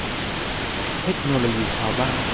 เทคโนโลยีชาวบ้าน